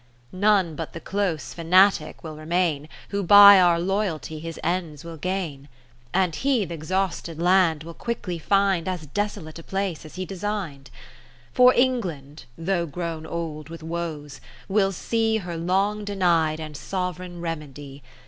None but the close fanatic will remain, Who by our loyalty his ends will gain ; And he th' exhausted land will quickly find As desolate a place as he design'd. For England (though grown old with woes) will see Her long deny'd and sovereign remedv.